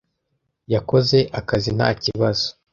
Yakoze akazi nta kibazo.